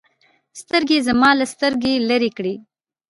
سترګې يې زما له سترګو لرې كړې.